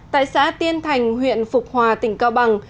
tại xã tiên thành huyện phục hòa tỉnh cao bằng